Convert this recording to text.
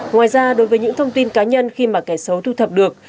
ngoài ra đối với những thông tin cá nhân khi mà kẻ xấu thu thập được